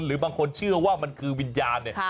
หรือบางคนเชื่อว่ามันคือวิญญาณเนี่ย